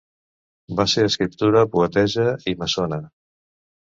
Va ser escriptora, poetessa i maçona.